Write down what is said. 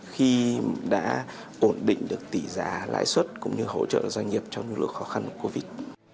khi đã ổn định được tỷ giá lãi suất cũng như hỗ trợ doanh nghiệp trong nhiều lượng khó khăn covid